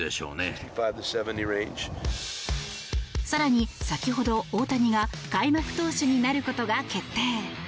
更に先ほど大谷が開幕投手になることが決定。